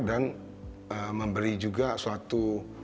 dan memberi juga suatu